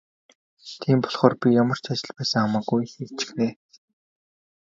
Тийм болохоор би ямар ч ажил байсан хамаагүй хийнэ.